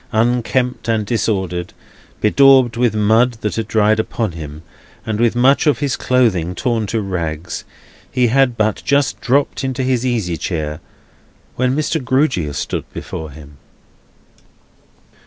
Unkempt and disordered, bedaubed with mud that had dried upon him, and with much of his clothing torn to rags, he had but just dropped into his easy chair, when Mr. Grewgious stood before him.